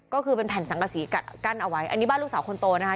ก็คือเป็นแผ่นสังกษีกัดกั้นเอาไว้อันนี้บ้านลูกสาวคนโตนะคะ